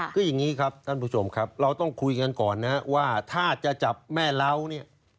คืออย่างนี้ครับท่านผู้ชมครับเราต้องคุยกันก่อนนะว่าถ้าจะจับแม่เล้าเนี่ย